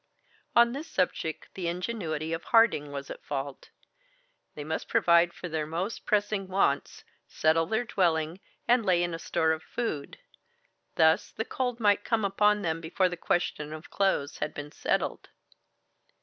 On this subject the ingenuity of Harding was at fault. They must provide for their most pressing wants, settle their dwelling, and lay in a store of food; thus the cold might come upon them before the question of clothes had been settled.